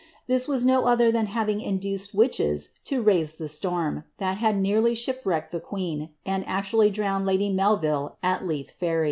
This was no uiher than having induced witches to raise ihe stornis. that had nearly fliip wrecked the queen, and actually drowned lady Melville at Leith Fetn".